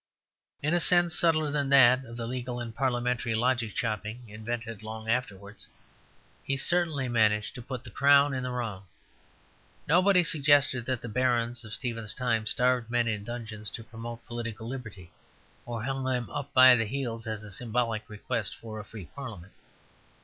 In a sense subtler than that of the legal and parliamentary logic chopping invented long afterwards, he certainly managed to put the Crown in the wrong. Nobody suggested that the barons of Stephen's time starved men in dungeons to promote political liberty, or hung them up by the heels as a symbolic request for a free parliament.